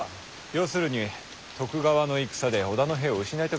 ようするに徳川の戦で織田の兵を失いたくないのでしょうよ。